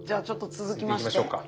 続いていきましょうか。